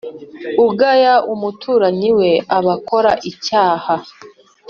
ugaya umuturanyi we aba akora icyaha,